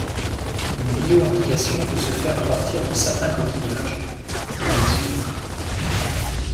Une bioindication peut se faire à partir de certains coquillages, dont les huitres.